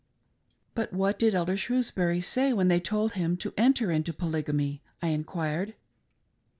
"But what did Elder Shrewsbury say when they told him to enter into Polygamy.?" I enquired.